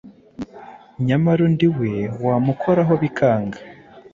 nyamara undi we wamukoraho bikanga